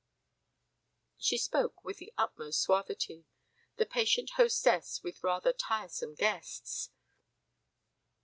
She spoke with the utmost suavity, the patient hostess with rather tiresome guests.